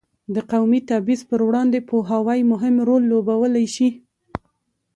د قومي تبعیض پر وړاندې پوهاوی مهم رول لوبولی شي.